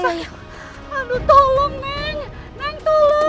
aduh tolong neng